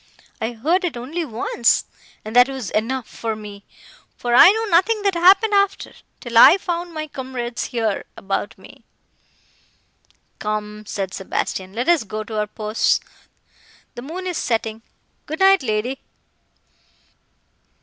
I heard it only once, and that was enough for me; for I know nothing that happened after, till I found my comrades, here, about me." "Come," said Sebastian, "let us go to our posts—the moon is setting. Good night, lady!"